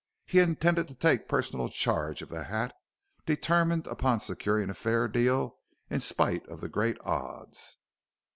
He intended to take personal charge of the hat, determined upon securing a fair deal in spite of the great odds.